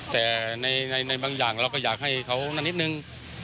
แต่ในบางอย่างเราก็อยากให้เขานั่นนิดนึง